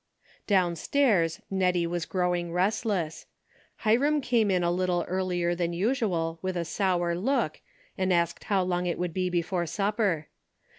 Downstairs E^ettie was growing restless. Hiram came in a little earlier than usual with a sour look and asked how long it would be before supper.